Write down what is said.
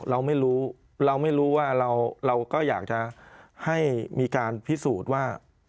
เราไม่รู้เราไม่รู้ว่าเราก็อยากจะให้มีการพิสูจน์ว่า